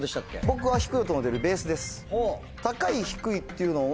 僕は低い音の出るベースです。